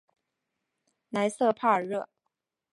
莱塞帕尔热。